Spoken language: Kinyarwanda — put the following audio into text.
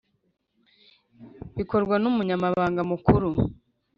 bikorwa n Umunyamabanga Mukuru